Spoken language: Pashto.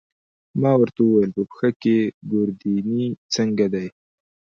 ما ورته وویل: په پښه کې، ګوردیني څنګه دی؟